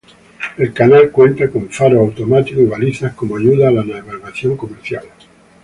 El canal cuenta con faros automáticos y balizas como ayudas a la navegación comercial.